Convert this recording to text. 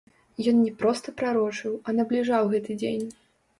Ён не проста прарочыў, а набліжаў гэты дзень.